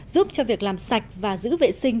giúp cho việc làm sạch và giữ vệ sinh